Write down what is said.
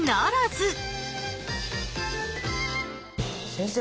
先生